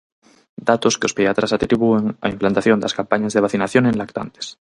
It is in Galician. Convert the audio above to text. Datos que os pediatras atribúen á implantación das campañas de vacinación en lactantes.